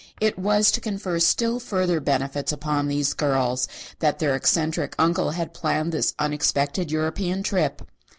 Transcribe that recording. It was to confer still further benefits upon these girls that their eccentric uncle had planned this unexpected European trip.